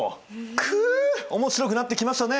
くう面白くなってきましたね。